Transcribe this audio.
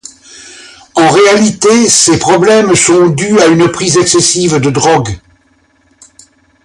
En réalité, ses problèmes sont dû à une prise excessive de drogue.